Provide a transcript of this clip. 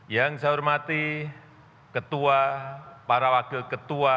yang saya hormati ketua para wakil ketua